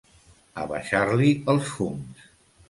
Abaixar-li els fums.